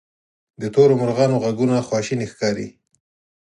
د تورو مرغانو ږغونه خواشیني ښکاري.